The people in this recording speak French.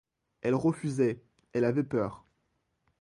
Elle refusait, elle avait peur.